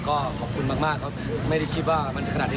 ก็ขอบคุณมากครับไม่ได้คิดว่ามันจะขนาดนี้